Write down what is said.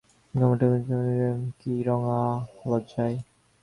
ঘোমটার মধ্যে চন্দনচর্চিত মতির মুখখানি কী রাঙা লজ্জায়!